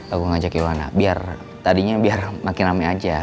aku ngajak yolanda biar tadinya biar makin ramai aja